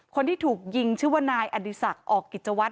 คนที่ถูกยิงชื่อว่านายอดีศักดิ์ออกกิจวัฒ